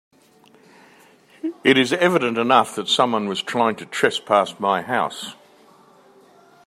It is evident enough that someone was trying to trespass my house.